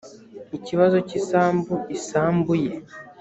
ikibazo cy isambu isambu ye